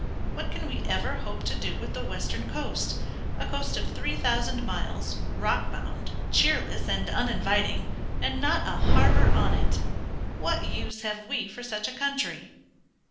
What can we ever hope to do with the western coast, a coast of three thousand miles, rock bound, cheerless, and uninviting, and not a harbor on it? What use have we for such a country?"